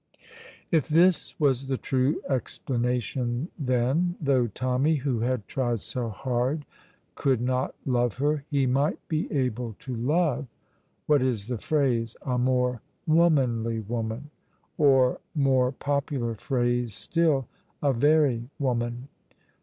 If this was the true explanation, then, though Tommy, who had tried so hard, could not love her, he might be able to love what is the phrase? a more womanly woman, or, more popular phrase still, a very woman.